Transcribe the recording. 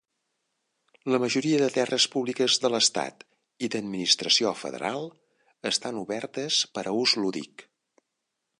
La majoria de terres públiques de l'estat i d'administració federal estan obertes per a ús lúdic.